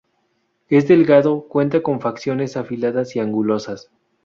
Es delgado, cuenta con facciones afiladas y angulosas.